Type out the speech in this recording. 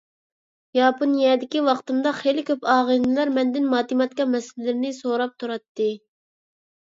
ياپونىيەدىكى ۋاقتىمدا خېلى كۆپ ئاغىنىلەر مەندىن ماتېماتىكا مەسىلىلىرىنى سوراپ تۇراتتى.